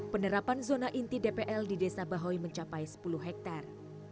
penerapan zona inti dpl di desa bahoi mencapai sepuluh hektare